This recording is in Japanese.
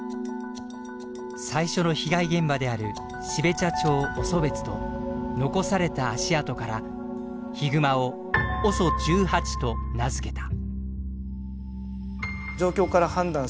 最初の被害現場である標茶町オソベツと残された足跡からヒグマをＯＳＯ１８と名付けた。